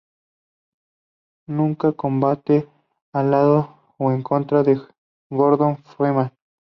Nunca combate al lado o en contra de Gordon Freeman.